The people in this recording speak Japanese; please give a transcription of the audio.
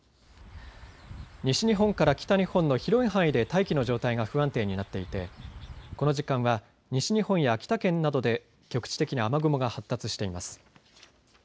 西日本から北日本の広い範囲で大気の状態が不安定になっていてこの時間は西日本や秋田県などで局地的に雨雲が発達しています。